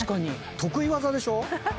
得意技でしょ⁉